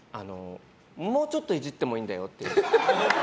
もうちょっとイジってもいいんだよって。